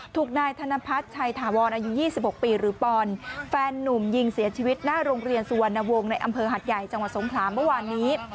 ถูกนายธนพัฒน์ชัยถาวรอายุ๒๖ปีหรือปอนแฟนนุ่มยิงเสียชีวิตหน้าโรงเรียนสุวรรณวงศ์ในอำเภอหัดใหญ่จังหวัดสงขลาเมื่อวานนี้